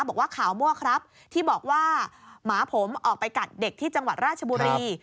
บอกว่าข่าวมั่วครับที่บอกว่าหมาผมออกไปกัดเด็กที่จังหวัดราชบุรี